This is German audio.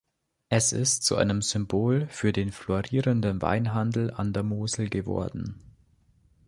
Es ist zu einem Symbol für den florierenden Weinhandel an der Mosel geworden.